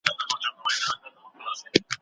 ښوونځي د ماشومانو فکري ودې لپاره مهم دی.